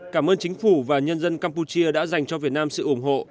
cảm ơn chính phủ và nhân dân campuchia đã dành cho việt nam sự ủng hộ